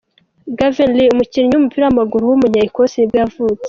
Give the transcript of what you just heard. Gavin Rae, umukinnyi w’umupira w’amaguru w’umunya Ecosse nibwo yavutse.